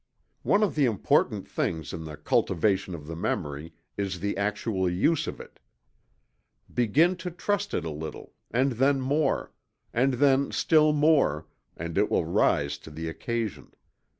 _ One of the important things in the cultivation of the memory is the actual use of it. Begin to trust it a little, and then more, and then still more, and it will rise to the occasion.